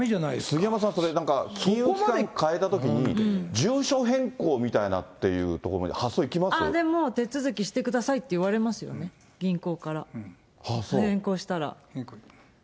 杉山さん、それ、なんか金融機関変えたときに住所変更みたいなっていうところまで、でも手続きしてくださいって言われますよね、銀行から。変更したら。